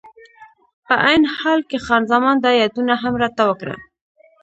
په عین حال کې خان زمان دا یادونه هم راته وکړه.